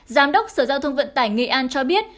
giám đốc sở giao thông vận tải nghệ an cho biết